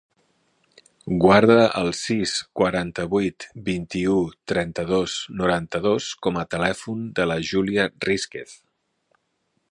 Guarda el sis, quaranta-vuit, vint-i-u, trenta-dos, noranta-dos com a telèfon de la Júlia Risquez.